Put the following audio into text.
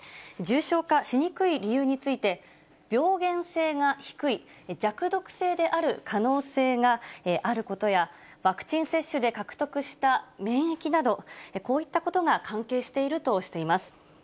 重症化しにくい理由について、病原性が低い、弱毒性である可能性があることや、ワクチン接種で獲得した免疫など、こういったことが関係しているとしています。